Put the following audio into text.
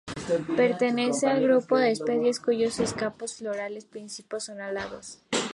Pertenece al grupo de especies cuyos escapos florales principales son alados.